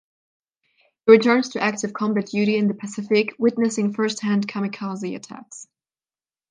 He returns to active combat duty in the Pacific, witnessing first hand kamikaze attacks.